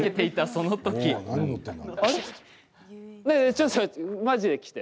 ちょっと、まじで来て。